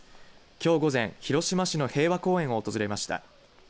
きょう午前、広島市の平和公園を訪れました。